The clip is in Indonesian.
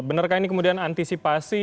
benarkah ini kemudian antisipasi